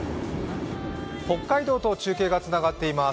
北海道と中継がつながっています。